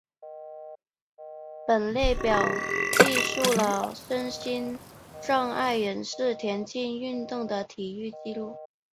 本列表记述了身心障碍人士田径运动的体育纪录。